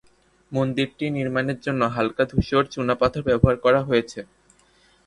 মন্দিরটি নির্মাণের জন্য হালকা ধূসর চুনাপাথর ব্যবহার করা হয়েছে।